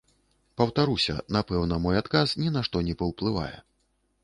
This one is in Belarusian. Паўтаруся, напэўна, мой адказ ні на што не паўплывае.